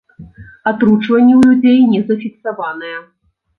Атручванні ў людзей не зафіксаваныя.